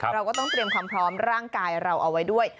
เราก็ต้องเตรียมความพร้อมร่างกายเราเอาไว้ด้วย